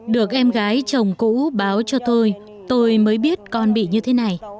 được em gái chồng cũ báo cho tôi tôi mới biết con bị như thế này